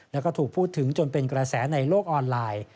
แล้วก็ถูกพูดถึงจนเป็นกระแสในโลกออนไลน์